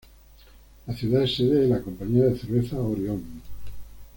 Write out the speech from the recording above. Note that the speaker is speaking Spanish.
La ciudad es sede de la compañía de cerveza Orion.